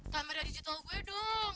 kamerah digital gue dong